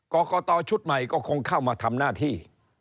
กรกตชุดใหม่ก็คงเข้ามาทำหน้าที่